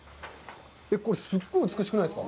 これ、すごく美しくないですか？